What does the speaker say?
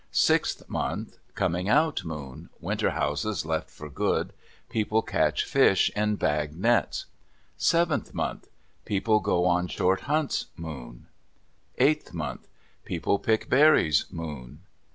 Sixth month.—"Coming out" moon. Winter houses left for good. People catch fish in bag nets. Seventh month.—People go on short hunts moon. Eighth month.—People pick berries moon.